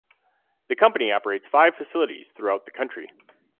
The company operates five facilities throughout the country.